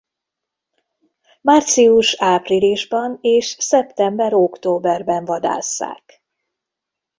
Március-áprilisban és szeptember-októberben vadásszák.